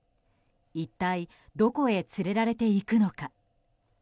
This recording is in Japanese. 一体どこへ連れられていくのか？